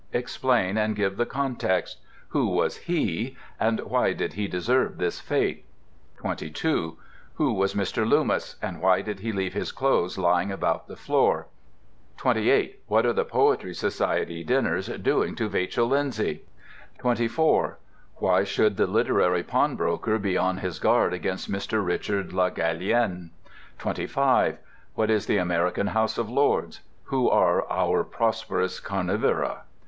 Explain, and give the context. Who was "he," and why did he deserve this fate? 22. Who was "Mr. Loomis," and why did he leave his clothes lying about the floor? 28. What are the Poetry Society dinners doing to Vachel Lindsay? 24. Why should the Literary Pawnbroker be on his guard against Mr. Richard Le Gallienne? 25. What is the American House of Lords? Who are "our prosperous carnivora"?